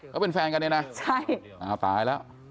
เขาเป็นแฟนกันเนี่ยนะตายแล้ว